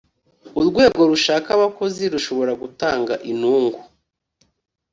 urwego rushaka abakozi rushobora gutanga inungu